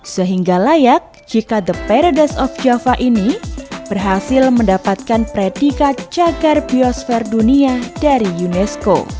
sehingga layak jika the paradise of java ini berhasil mendapatkan predikat cagar biosfer dunia dari unesco